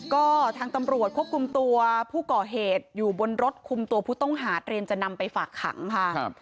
ก็ทางตำรวจควบคุมตัวผู้ก่อเหตุอยู่บนรถคุมตัวผู้ต้องหาเตรียมจะนำไปฝากขังค่ะ